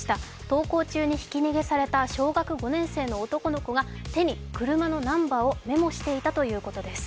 登校中にひき逃げされた小学５年生の男の子が手に車のナンバーをメモしていたということです。